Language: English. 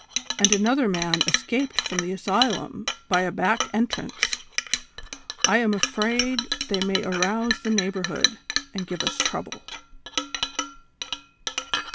and another man es caped from the asylum l)y a back entrance ; I am afraid they may arouse the neighborhood, and give us trouble."